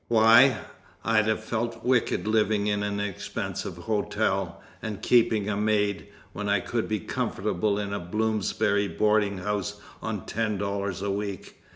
Why, I'd have felt wicked living in an expensive hotel, and keeping a maid, when I could be comfortable in a Bloomsbury boarding house on ten dollars a week.